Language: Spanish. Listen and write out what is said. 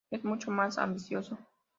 Es mucho más ambicioso.